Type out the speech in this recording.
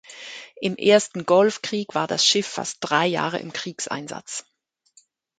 Im Ersten Golfkrieg war das Schiff fast drei Jahre im Kriegseinsatz.